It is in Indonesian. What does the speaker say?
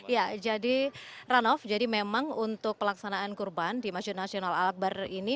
ya jadi ranoff jadi memang untuk pelaksanaan korban di masjid nasional al aqbar ini